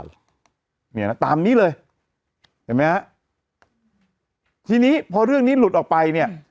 เนี่ยนะตามนี้เลยเห็นไหมฮะทีนี้พอเรื่องนี้หลุดออกไปเนี่ย